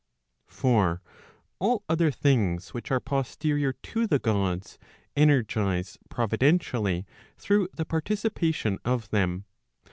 For all other things which are posterior to the Gods, energize provi¬ dentially through the participation of them.